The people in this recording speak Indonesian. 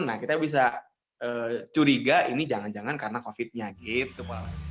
nah kita bisa curiga ini jangan jangan karena covid nya gitu